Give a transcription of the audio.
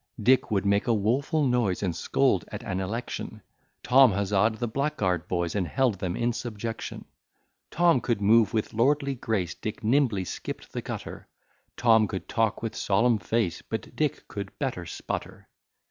Dick would make a woful noise, And scold at an election; Tom huzza'd the blackguard boys, And held them in subjection. Tom could move with lordly grace, Dick nimbly skipt the gutter; Tom could talk with solemn face, But Dick could better sputter.